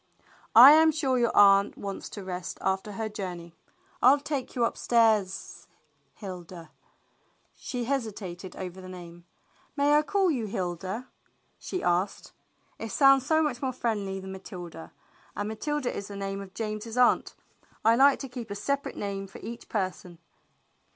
"I am sure your aunt wants to rest after her joucney. I'll take you upstairs — Hilda." She hesitated over the name. " May I call you Hilda? " she asked. "It sounds so much more friendly than Matilda, and Matilda is the name of James's aunt. I like to keep a separate name for each person."